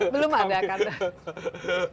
belum ada kantor